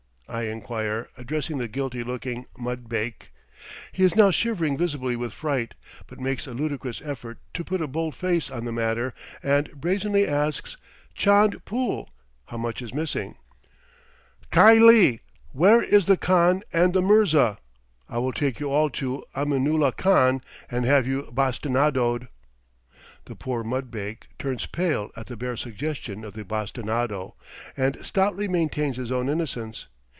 I inquire, addressing the guilty looking mud bake. He is now shivering visibly with fright, but makes a ludicrous effort to put a bold face on the matter, and brazenly asks, "Chand pool" (How much is missing?). "Khylie! where is the khan and the inirza? I will take you all to Aminulah Khan and have you bastinadoed!" The poor mudbake turns pale at the bare suggestion of the bastinado, and stoutly maintains his own innocence.